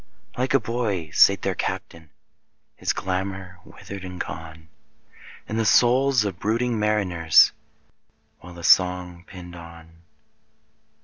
Like a bold boy sate their Captain, His glamour withered and gone, In the souls of his brooding mariners, While the song pined on.